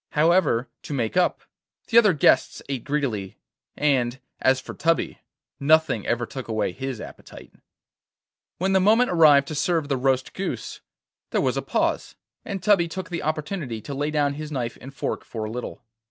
However, to make up, the other guests ate greedily, and, as for Tubby, nothing ever took away his appetite. When the moment arrived to serve the roast goose, there was a pause, and Tubby took the opportunity to lay down his knife and fork for a little.